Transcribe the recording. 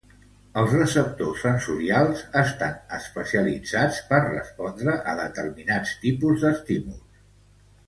Els receptors sensorials estan especialitzats per respondre a determinats tipus d'estímuls.